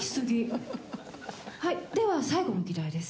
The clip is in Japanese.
では最後の議題です。